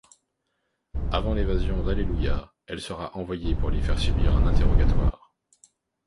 Avant l'évasion d'Allelujah, elle sera envoyée pour lui faire subir un interrogatoire.